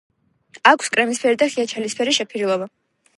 აქვს კრემისფერი და ღია ჩალისფერი შეფერილობა.